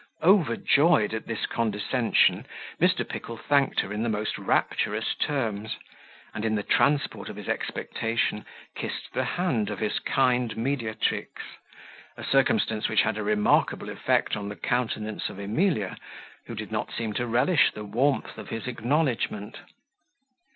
Overjoyed at this condescension, Mr. Pickle thanked her in the most rapturous terms, and, in the transport of his expectation, kissed the hand of his kind mediatrix a circumstance which had a remarkable effect on the countenance of Emilia, who did not seem to relish the warmth of his acknowledgment.